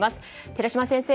寺嶋先生